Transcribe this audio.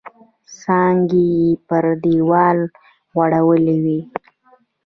څانګې یې پر دیوال غوړولي وې.